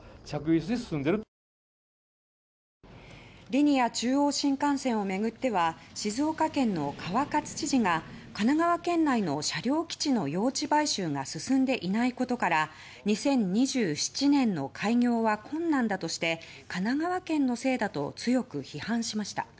リニア中央新幹線を巡っては、静岡県の川勝知事が神奈川県内の車両基地の用地買収が進んでいないことから２０２７年の開業は困難だとして神奈川県のせいだと強く批判しました。